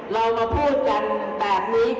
เรามาพูดกันแบบนี้